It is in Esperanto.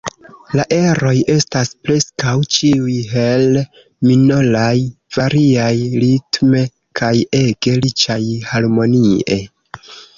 La eroj estas preskaŭ ĉiuj hel-minoraj, variaj ritme kaj ege riĉaj harmonie.